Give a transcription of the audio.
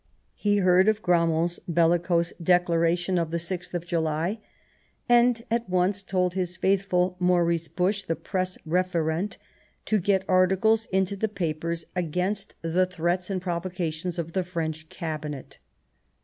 He heard of Gramont's bellicose declaration of 125 Bismarck the 6th of July, and at once told his faithful Maurice Busch, the Pressreferent, to get articles into the papers against the threats and provocations of the French Cabinet.